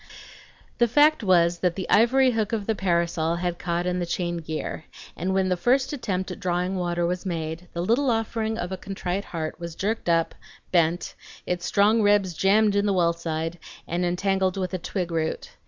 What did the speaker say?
The fact was that the ivory hook of the parasol had caught in the chain gear, and when the first attempt at drawing water was made, the little offering of a contrite heart was jerked up, bent, its strong ribs jammed into the well side, and entangled with a twig root.